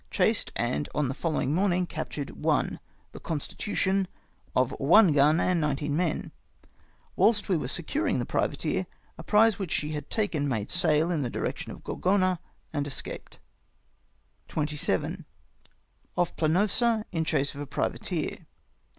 Chased, and on the following morning captured one, the Constitution, of one gun and nineteen men. Whilst we were securing the privateer, a prize which she had taken made sail in the direction of Grorgona and escaped. "27. — Off Planosa, in chase of a privateer.